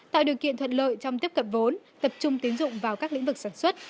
tạo điều kiện thuận lợi trong tiếp cận vốn tập trung tiến dụng vào các lĩnh vực sản xuất